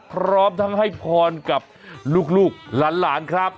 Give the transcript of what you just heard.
พร้อมทั้งให้พรกับลูกหลานครับ